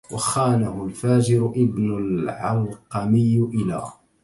وخانه الفاجر ابن العلقمي إلى